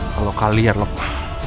kalau kalian lupa